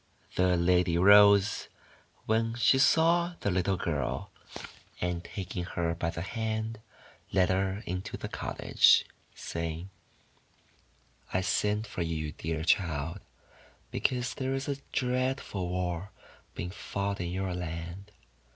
The lady rose when she saw the little girl, and, taking her by the hand, led her into the cottage, saying: — :<I sent for you, dear child, because there is a dreadful war being fought in your land.